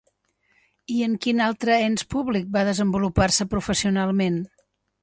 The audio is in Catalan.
I en quin altre ens públic va desenvolupar-se professionalment?